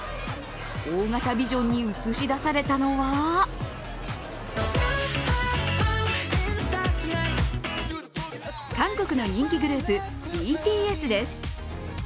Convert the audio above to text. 大型ビジョンに映し出されたのは韓国の人気グループ、ＢＴＳです。